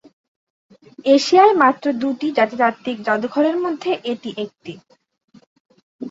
এশিয়ায় মাত্র দুটি জাতি-তাত্ত্বিক জাদুঘরের মধ্যে এটি একটি।